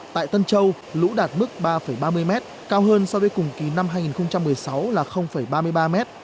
tại tân châu lũ đạt mức ba ba mươi m cao hơn so với cùng kỳ năm hai nghìn một mươi sáu là ba mươi ba m